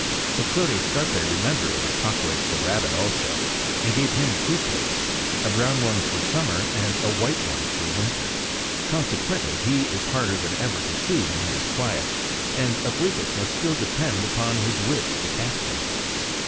But Clote Scarpe remembered Moktaques the rabbit also, and gave him two coats, a brown one for summer and a white one for winter. Consequently he is harder than ever to see when he is quiet; and Upweekis must still depend upon his wits to catch him.